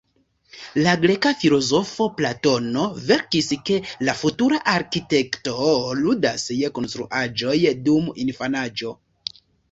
La greka filozofo Platono verkis, ke la futura arkitekto ludas je konstruaĵoj dum infanaĝo.